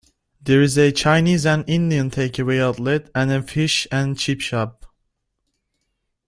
There is a Chinese and Indian takeaway outlet and a fish and chip shop.